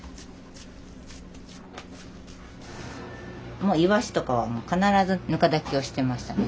もういわしとかは必ずぬか炊きをしてましたね。